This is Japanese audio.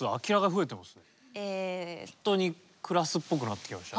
ほんとにクラスっぽくなってきましたよね。